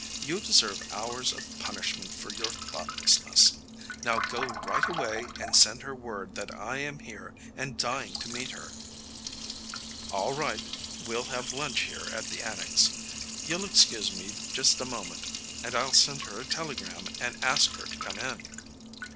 You deserve hours of punishment for your thoughtlessness. Now go right away and send her word that I am here and dying to meet her." "All right. We'll have lunch here at the Annex. You'll excuse me just a moment, and I'll send her a telegram and ask her to come in."